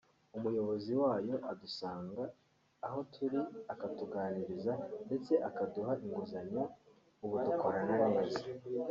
umuyobozi wayo adusanga aho turi akatuganiriza ndetse akaduha inguzanyo ubu dukorana neza